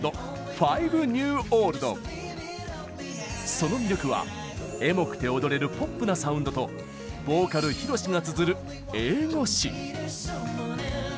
その魅力はエモくて踊れるポップなサウンドとボーカルＨＩＲＯＳＨＩがつづる英語詞。